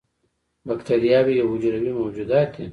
بکتریاوې یو حجروي موجودات دي